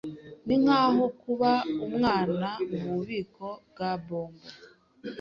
Ninkaho kuba umwana mububiko bwa bombo.